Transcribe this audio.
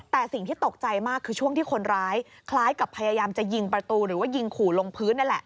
แต่สิ่งที่ตกใจมากคือช่วงที่คนร้ายคล้ายกับพยายามจะยิงประตูหรือว่ายิงขู่ลงพื้นนั่นแหละ